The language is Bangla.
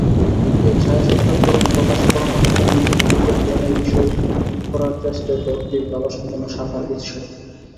এই ছায়াসত্তার চরম প্রকাশ পরমাত্মার নিজেকে নিজের জ্ঞানের বিষয় করার চেষ্টাই ব্যক্তিভাবাপন্ন সাকার ঈশ্বর।